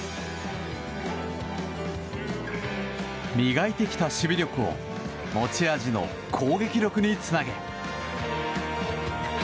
磨いてきた守備力を持ち味の攻撃力につなげ。